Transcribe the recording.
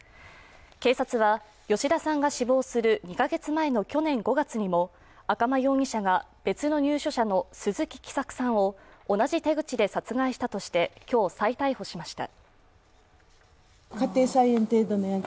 警察は、吉田さんが死亡する２カ月前の去年５月にも赤間容疑者が別の入所者の鈴木喜作さんを同じ手口で殺害したとして今日、再逮捕しました。